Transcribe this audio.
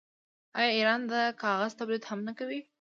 آیا ایران د کاغذ تولید هم نه کوي؟